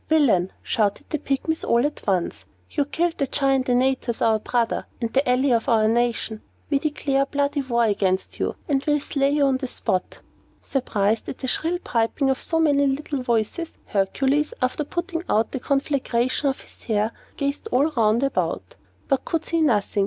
"Villain!" shouted all the Pygmies at once. "You have killed the Giant Antaeus, our great brother, and the ally of our nation. We declare bloody war against you, and will slay you on the spot." Surprised at the shrill piping of so many little voices, Hercules, after putting out the conflagration of his hair, gazed all round about, but could see nothing.